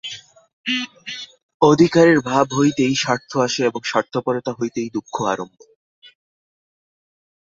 অধিকারের ভাব হইতেই স্বার্থ আসে এবং স্বার্থপরতা হইতেই দুঃখ আরম্ভ।